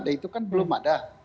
itu kan belum ada